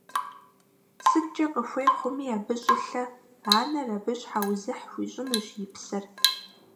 СыткӀэ къыхуей хъуми абы щӀылъэ – анэр абы щхьэузыхь хуищӀынущ и псэр.